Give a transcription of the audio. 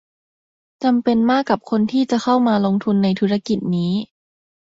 จำเป็นมากกับคนที่จะเข้ามาลงทุนในธุรกิจนี้